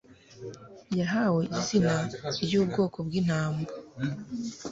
Yahawe Izina ryubwoko bwintama